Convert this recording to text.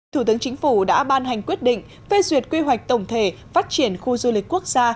thủ tướng chính phủ đã ban hành quyết định phê duyệt quy hoạch tổng thể phát triển khu du lịch quốc gia